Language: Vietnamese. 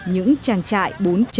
những trang trại bốn